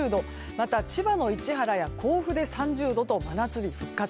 また、千葉の市原や甲府で３０度と真夏日復活。